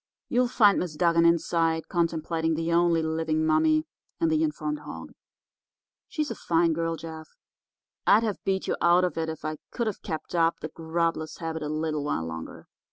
You'll find Miss Dugan inside contemplating the only living mummy and the informed hog. She's a fine girl, Jeff. I'd have beat you out if I could have kept up the grubless habit a little while longer.